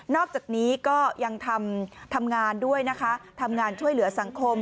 อกจากนี้ก็ยังทำงานด้วยนะคะทำงานช่วยเหลือสังคม